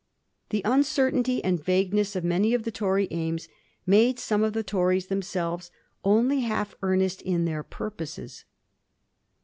The uncertainty and vagueness of many of the Tory aims made some of the Tories themselves only half earnest in their purposes.